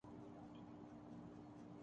صرف تازہ پھل اور سبزیاں کھائیے